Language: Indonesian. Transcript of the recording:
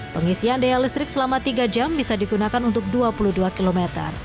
pengisian daya listrik selama tiga jam bisa digunakan untuk dua puluh dua km